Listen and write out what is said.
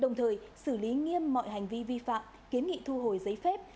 đồng thời xử lý nghiêm mọi hành vi vi phạm kiến nghị thu hồi giấy phép